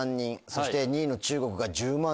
そして２位の中国が１０万人。